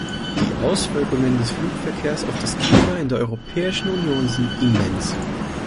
Die Auswirkungen des Flugverkehrs auf das Klima in der Europäischen Union sind immens.